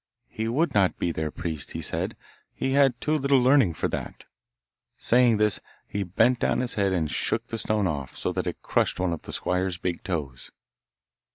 He would not be their priest, he said; he had too little learning for that. Saying this, he bent down his head and shook the stone off, so that it crushed one of the squire's big toes.